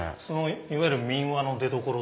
いわゆる民話の出どころ。